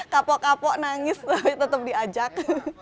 kapok kapok nangis tapi tetap diajak